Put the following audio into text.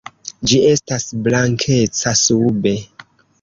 Ĝi estas blankeca sube.